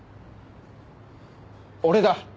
俺だ！